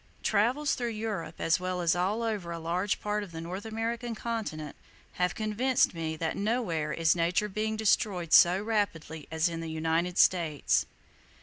Travels through Europe, as well as over a large part of the North American continent, have convinced me that nowhere is Nature being destroyed so rapidly as in the United States.